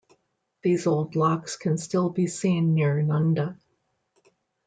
These old locks can still be seen near Nunda.